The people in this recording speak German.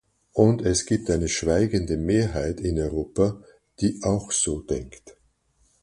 Und es gibt eine schweigende Mehrheit in Europa, die auch so denkt.